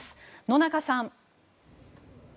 野中さん。